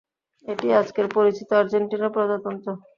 এটিই আজকের পরিচিত আর্জেন্টিনা প্রজাতন্ত্র।